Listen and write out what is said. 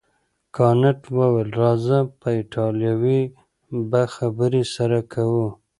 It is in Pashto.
کانت وویل راځه په ایټالوي به خبرې سره کوو.